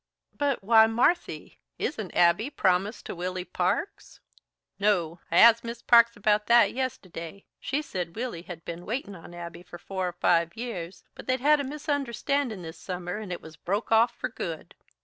"But, why, Marthy, isn't Abby promised to Willy Parks?" "No; I asked Mis' Parks about that yisterday. She said Willy had been waitin' on Abby for four or five years, but they'd had a misunderstandin' this summer, and it was broke off for good."